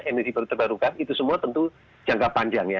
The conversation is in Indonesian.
energi baru terbarukan itu semua tentu jangka panjang ya